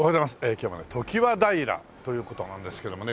今日はね常盤平という事なんですけどもね。